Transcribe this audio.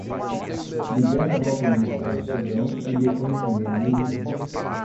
Lidera golpe militar no Sudão e depõe primeiro-ministro